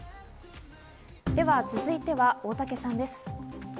続いては大竹さんです。